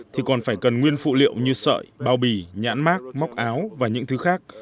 thì còn phải cần nguyên phụ liệu như sợi bao bì nhãn mát móc áo và những thứ khác